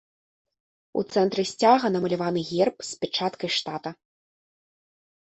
У цэнтры сцяга намаляваны герб з пячаткай штата.